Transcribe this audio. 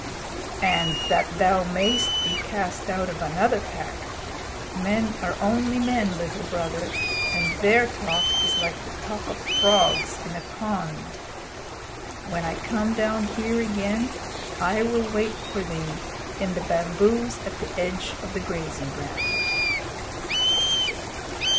"And that thou mayest be cast out of another pack. Men are only men, Little Brother, and their talk is like the talk of frogs in a pond. When I come down here again, I will wait for thee in the bamboos at the edge of the grazing ground."